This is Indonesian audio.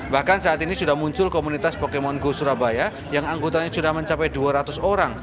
bahkan saat ini sudah muncul komunitas pokemon go surabaya yang anggotanya sudah mencapai dua ratus orang